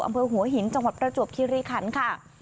อำเภอหัวหินจังหวัดประจวบคิริคันค่ะ